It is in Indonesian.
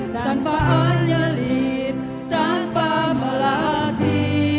tanpa anjelin tanpa melati